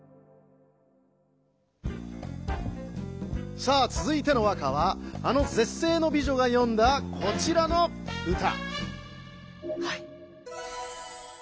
さあつづいての和歌はあのぜっせいの美女がよんだこちらの歌。